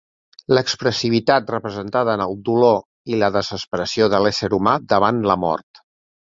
L'expressivitat representada en el dolor i la desesperació de l'ésser humà davant la mort.